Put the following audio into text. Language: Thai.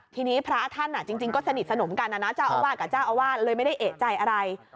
ทีนี้พระท่านจริงก็สนิทสนมกันนะนะเจ้าอาวาสกับเจ้าอาวาสเลยไม่ได้เอกใจอะไร